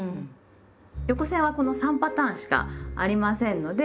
横線はこの３パターンしかありませんので。